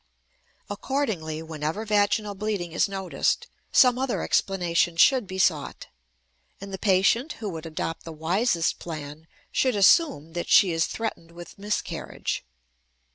Accordingly, whenever vaginal bleeding is noticed, some other explanation should be sought; and the patient who would adopt the wisest plan should assume that she is threatened with miscarriage.